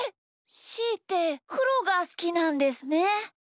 しーってくろがすきなんですね。